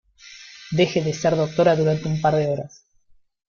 deje de ser doctora durante un par de horas